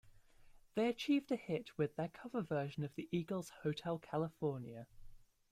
They achieved a hit with their cover version of The Eagles' "Hotel California".